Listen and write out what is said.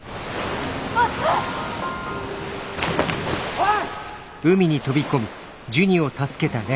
おい！